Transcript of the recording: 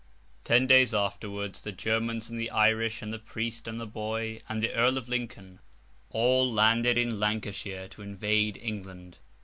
Ten days afterwards, the Germans, and the Irish, and the priest, and the boy, and the Earl of Lincoln, all landed in Lancashire to invade England.